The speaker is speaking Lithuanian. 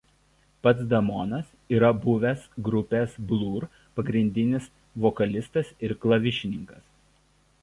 Pats Damonas yra buvęs grupės „Blur“ pagrindinis vokalistas ir klavišininkas.